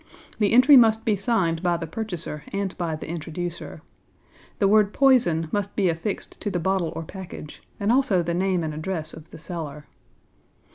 The entry must be signed by the purchaser and by the introducer. The word 'Poison' must be affixed to the bottle or package, and also the name and address of the seller.